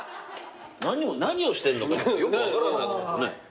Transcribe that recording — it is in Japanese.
何をしてるのかよく分からないですからね。